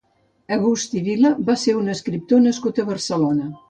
Agustí Vila va ser un escriptor nascut a Barcelona.